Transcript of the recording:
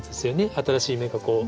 新しい芽がこう。